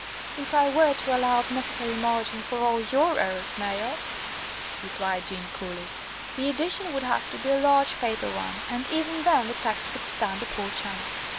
"If I were to allow the necessary margin for all your errors, Mayor," replied Jeanne coolly, "the edition would have to be a large paper one, and even then the text would stand a poor chance.